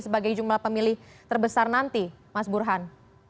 sebagai jumlah pemilih terbesar nanti mas burhan